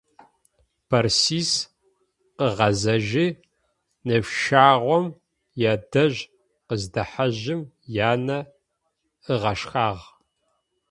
Бэрсис къыгъэзэжьи, нэфшъагъом ядэжь къыздэхьажьым янэ ыгъэшхагъ.